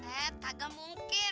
eh tak agak mungkin